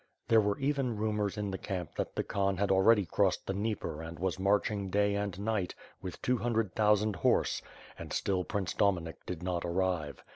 There were even rumors in the camp that the Khan had already crossed the Dnieper and was marching, day and night, with two hundred thousand horse; and still Prince Dorainik did not arrive.